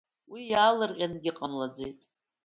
Уи иаалырҟьангьы иҟамлаӡеит.